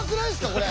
これ。